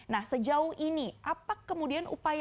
nah sejauh ini